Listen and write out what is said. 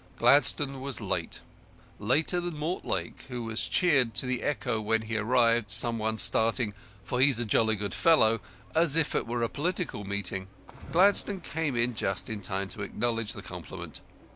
Gladstone was late later than Mortlake, who was cheered to the echo when he arrived, some one starting "For He's a Jolly Good Fellow," as if it were a political meeting. Gladstone came in just in time to acknowledge the compliment.